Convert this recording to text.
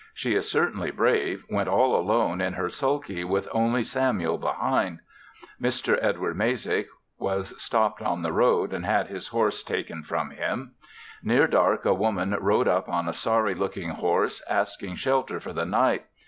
She is certainly brave, went all alone in her sulky with only Samuel behind, Mr. Edward Mazyck was stopped on the road and had his horse taken from him. Near dark a woman rode up on a sorry looking horse, asking shelter for the night.